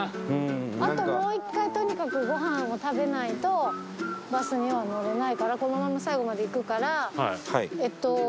あともう１回とにかくご飯を食べないとバスには乗れないからこのまま最後まで行くからえっと。